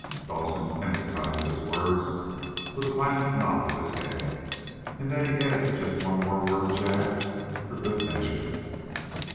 _" Dawson emphasized his words with a violent nod of his head. And then he added just one more word jab for good measure.